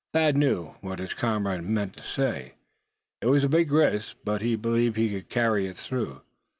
Thad knew what his comrade meant to say. It was a big risk, but he believed it could be carried through.